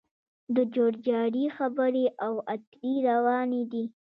د جوړجاړي خبرې او اترې روانې دي